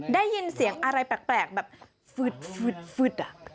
ได้ยินเสียงอะไรแปลกแบบฟึด